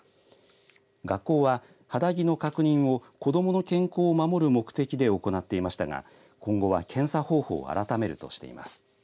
学校は、肌着の確認を子どもの健康を守る目的で行っていましたが今後は検査方法を改めるとしています。